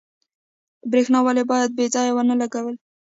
برښنا ولې باید بې ځایه ونه لګیږي؟